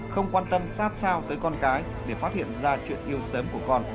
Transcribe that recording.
không quan tâm sát sao tới con cái để phát hiện ra chuyện yêu sớm của con